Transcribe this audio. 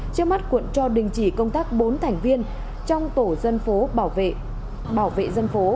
trước mắt quận cho đình chỉ công tác bốn thành viên trong tổ dân phố bảo vệ dân phố